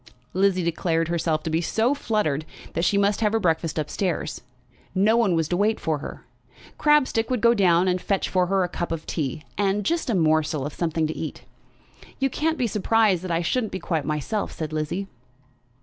Lizzie declared herself to be so fluttered, that she must have her breakfast up stairs. No one was to wait for her. Crabstick would go down and fetch for her a cup of tea, and just a morsel of something to eat. "You can't be surprised that I shouldn't be quite myself," said Lizzie.